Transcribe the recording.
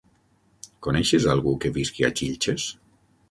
Coneixes algú que visqui a Xilxes?